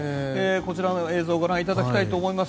こちらの映像ご覧いただきたいと思います。